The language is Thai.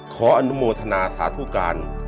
ขออนุโมทนาสถุการณ์